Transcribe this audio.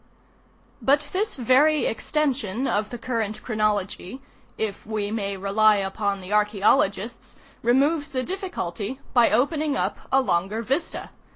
But this very extension of the current chronology, if we may rely upon the archaeologists, removes the difficulty by opening up a longer vista.